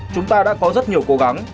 chúng ta đã có rất nhiều cố gắng